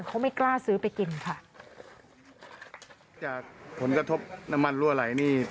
เขาไม่กล้าซื้อไปกินค่ะ